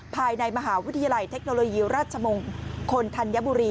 ภายในมหาวิทยาลัยเทคโนโลยีราชมงคลธัญบุรี